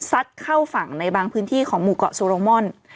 เข้าฝั่งในบางพื้นที่ของหมู่เกาะโซโรมอน